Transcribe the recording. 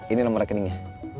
ini nomor rekeningnya